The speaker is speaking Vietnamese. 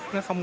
nó không bị